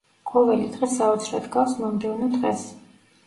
ყოველი დღე საოცრად გავს მომდევნო დღეს.